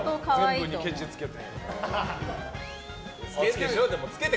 全部にケチつけて。